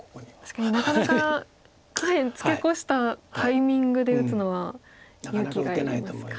確かになかなか下辺ツケコしたタイミングで打つのは勇気がいりますか。